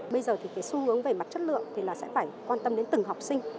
bây giờ thì cái xu hướng về mặt chất lượng thì là sẽ phải quan tâm đến từng học sinh